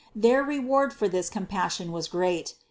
Their reward for this compassion was great.